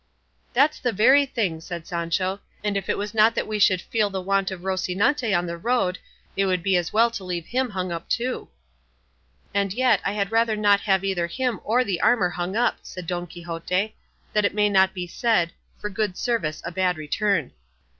"That's the very thing," said Sancho; "and if it was not that we should feel the want of Rocinante on the road, it would be as well to leave him hung up too." "And yet, I had rather not have either him or the armour hung up," said Don Quixote, "that it may not be said, 'for good service a bad return.